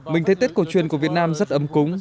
mình thấy tết cổ truyền của việt nam rất ấm cúng